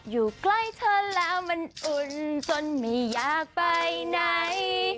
อยู่ใกล้เธอแล้วมันอุ่นจนไม่อยากไปไหน